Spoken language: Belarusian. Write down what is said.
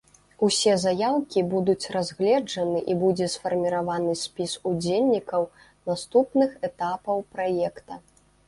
Усе заяўкі будуць разгледжаны, і будзе сфарміраваны спіс удзельнікаў наступных этапаў праекта.